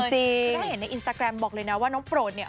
ถ้าเห็นในอินสตาแกรมบอกเลยนะว่าน้องโปรดเนี่ย